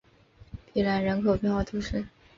比朗人口变化图示